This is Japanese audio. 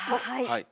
はい。